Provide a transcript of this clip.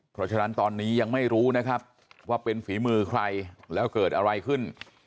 เพราะฉะนั้นตอนนี้ยังไม่รู้นะครับว่าเป็นฝีมือใครแล้วเกิดอะไรขึ้น